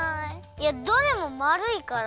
いやどれもまるいから。